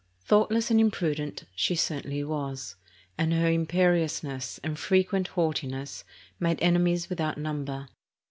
Thoughtless and imprudent she certainly was, and her imperiousness and frequent haughtiness made enemies with out number.